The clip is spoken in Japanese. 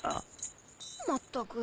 まったく。